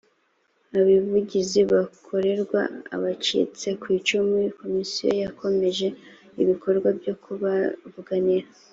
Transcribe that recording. ubuvugizi bukorerwa abacitse ku icumu komisiyo yakomeje ibikorwa byo kubavuganira